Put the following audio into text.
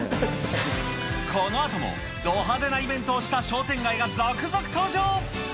このあともド派手なイベントをした商店街が続々登場。